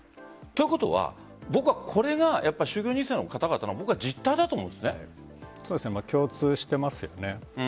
ということは僕はこれが宗教２世の方々の実態だと共通していますよね。